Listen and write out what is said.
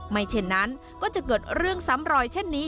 เช่นนั้นก็จะเกิดเรื่องซ้ำรอยเช่นนี้